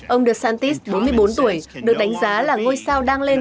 ông desantis bốn mươi bốn tuổi được đánh giá là ngôi sao đang lên